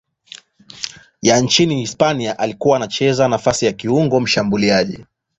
ya nchini Hispania aliyekuwa anacheza nafasi ya kiungo mshambuliaji.